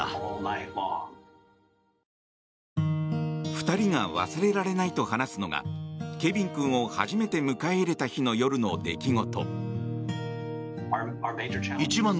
２人が忘れられないと話すのがケビン君を初めて迎え入れた日の夜の出来事。